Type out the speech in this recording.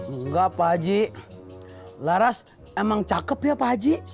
enggak pak haji laras emang cakep ya pak haji